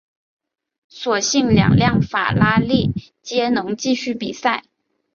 所幸两辆法拉利皆能继续比赛。